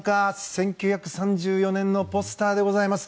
１９３４年のポスターでございます。